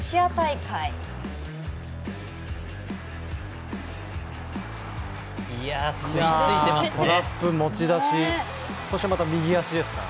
トラップ、持ち出しそしてまた右足ですから。